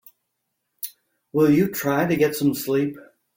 Will you try to get some sleep?